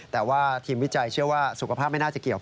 แต่ว่าทีมวิจัยเชื่อว่าสุขภาพไม่น่าจะเกี่ยว